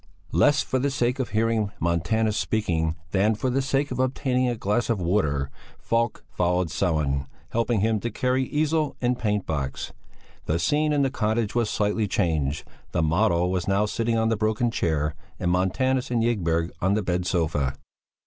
Less for the sake of hearing Montanus speaking than for the sake of obtaining a glass of water, Falk followed Sellén, helping him to carry easel and paintbox. The scene in the cottage was slightly changed; the model was now sitting on the broken chair, and Montanus and Ygberg on the bed sofa.